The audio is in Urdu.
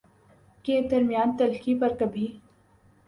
کے درمیان تلخی پر کبھی